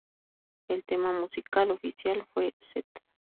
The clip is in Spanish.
El tema musical oficial fue ""St.